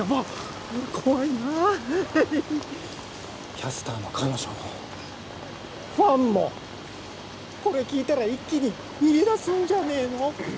キャスターの彼女もファンもこれ聞いたら一気に逃げ出すんじゃねえの？